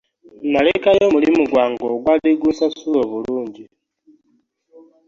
Nalekayo omulimu gwange ogwali gunsasula obulungi.